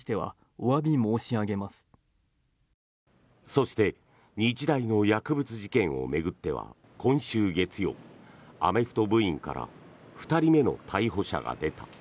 そして日大の薬物事件を巡っては今週月曜、アメフト部員から２人目の逮捕者が出た。